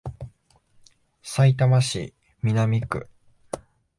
さいたま市南区